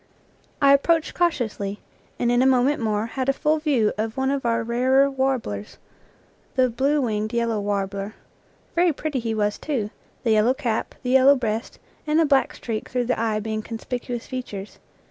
I approached cautiously, and in a moment more had a full view of one of our rarer warblers, the blue winged yellow warbler. Very pretty he was, too, the yellow cap, the yellow breast, and the black streak through the eye being conspicuous features.